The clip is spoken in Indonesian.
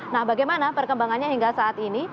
nah bagaimana perkembangannya hingga saat ini